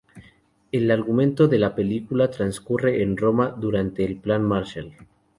El argumento de la película trascurre en Roma durante el Plan Marshall.